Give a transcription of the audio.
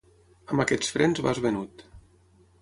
Amb aquests frens vas venut.